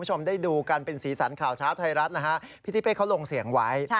ไปดูกันในสีสันข่าวเช้าไทยรัฐกันนะครับ